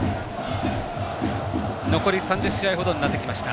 残り３０試合程になってきました。